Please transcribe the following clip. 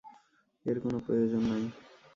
এর কোনো প্রয়োজন নাই।